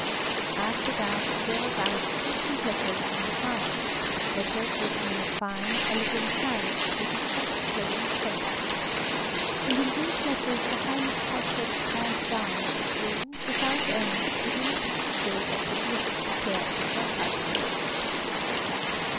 After that there arrived frequent letters from the bride, letters written in a fine, elegant hand, with a soft flowing pen. And in these letters the highly cultured grand dame drew, without end, idyllic pictures of the bliss she shared with her Casimir.